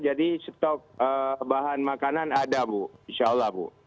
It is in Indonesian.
jadi stok bahan makanan ada bu insya allah bu